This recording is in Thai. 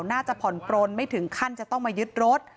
น่าจะผ่อนปลนไม่ถึงขั้นจะต้องมายึดรถ